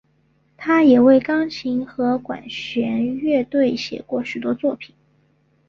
他也为钢琴和管弦乐队写过许多作品。